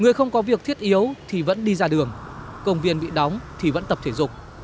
người không có việc thiết yếu thì vẫn đi ra đường công viên bị đóng thì vẫn tập thể dục